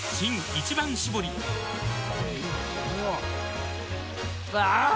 「一番搾り」あぁー！